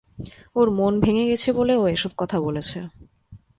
ওর মন ভেঙে গেছে বলে ও এসব কথা বলেছে।